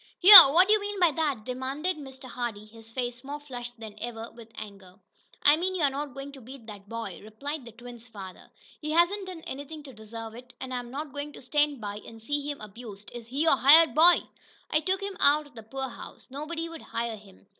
"Here! What'd you mean by that?" demanded Mr. Hardee, his face more flushed than ever with anger. "I mean you're not going to beat that boy!" replied the twins' father. "He hasn't done anything to deserve it, and I'm not going to stand by and see him abused. Is he your hired boy?" "I took him out of the poorhouse nobody would hire him.